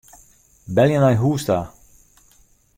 Belje nei hûs ta.